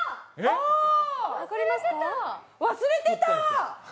あ、忘れてた！